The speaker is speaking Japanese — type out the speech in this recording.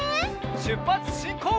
しゅっぱつしんこう！